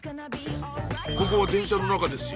ここは電車の中ですよ